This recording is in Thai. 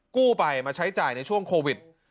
กู้ไปมาใช้จ่ายในช่วงโควิด